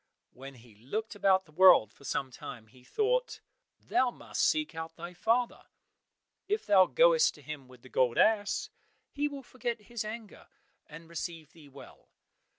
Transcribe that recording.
When he had looked about the world for some time, he thought, "Thou must seek out thy father; if thou goest to him with the gold ass he will forget his anger, and receive thee well."